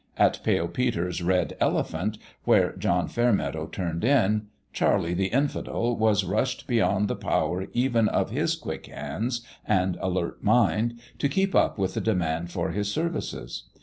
At Pale Peter's Red Elephant, where John Fair meadow turned in, Charlie the Infidel was rushed beyond the power even of his quick hands and alert mind to keep up with the demand for his services.